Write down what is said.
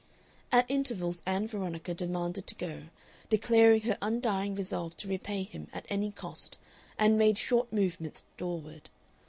At intervals Ann Veronica demanded to go, declaring her undying resolve to repay him at any cost, and made short movements doorward.